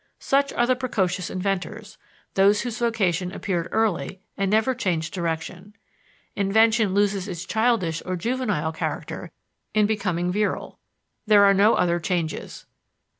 Such are the precocious inventors, those whose vocation appeared early and never changed direction. Invention loses its childish or juvenile character in becoming virile; there are no other changes.